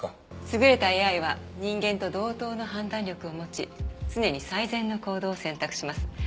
優れたＡＩは人間と同等の判断力を持ち常に最善の行動を選択します。